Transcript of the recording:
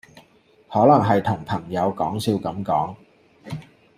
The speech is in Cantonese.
可能係同朋友講笑咁講